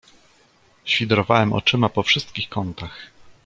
"Świdrowałem oczyma po wszystkich kątach."